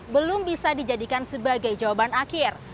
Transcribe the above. belum bisa dijadikan sebagai jawaban akhir